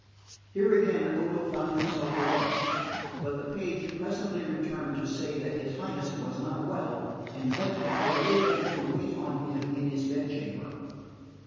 Here again Odo found himself alone; but the page presently returned to say that his Highness was not well and begged the cavaliere to wait on him in his bed chamber.